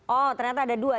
oh ternyata ada dua